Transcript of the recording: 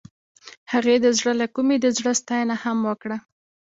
هغې د زړه له کومې د زړه ستاینه هم وکړه.